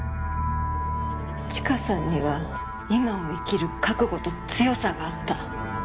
チカさんには今を生きる覚悟と強さがあった。